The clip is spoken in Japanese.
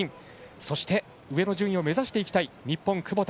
そして上の順位を目指していきたい日本の窪田。